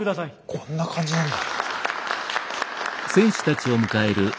こんな感じなんだ。